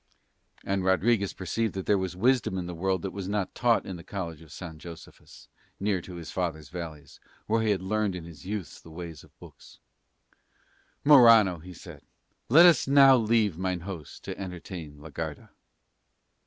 And Rodriguez perceived that there was wisdom in the world that was not taught in the College of San Josephus, near to his father's valleys, where he had learned in his youth the ways of books. "Morano," he said, "let us now leave mine host to entertain la Garda."